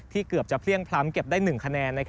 เกือบจะเพลี่ยงพล้ำเก็บได้๑คะแนน